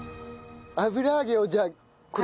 油揚げをじゃあこれ切る。